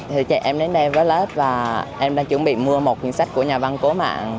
thì chị em đến đây với lớp và em đang chuẩn bị mua một cuốn sách của nhà văn cố mạng